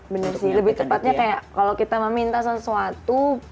bener sih lebih tepatnya kayak kalau kita meminta sesuatu